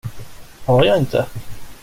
Har jag inte?